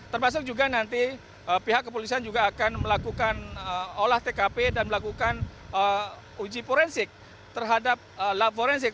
termasuk juga nanti pihak kepolisan juga akan melakukan olah tkp dan melakukan uji forensik